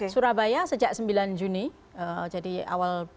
surabaya sejak sembilan juni jadi awal